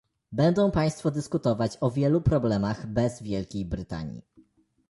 Będą państwo dyskutować o wielu problemach bez Wielkiej Brytanii